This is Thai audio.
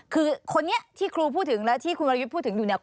คือคนนี้ที่ครูพูดถึงและที่คุณวรยุทธ์พูดถึงอยู่เนี่ย